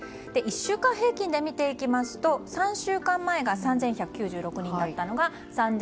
１週間平均で見ていきますと３週間前が３１９６人だったのが３７２７。